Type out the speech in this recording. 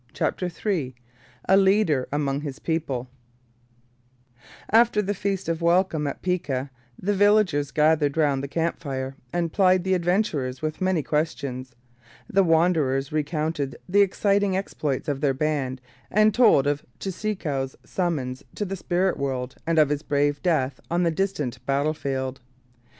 CHAPTER III A LEADER AMONG HIS PEOPLE After the feast of welcome at Piqua the villagers gathered round the camp fire and plied the adventurers with many questions. The wanderers recounted the exciting exploits of their band and told of Cheeseekau's summons to the spirit world and of his brave death on the distant battlefield.